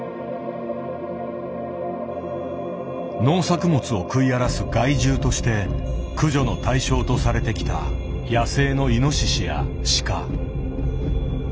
農作物を食い荒らす害獣として駆除の対象とされてきた野生のイノシシやシカ。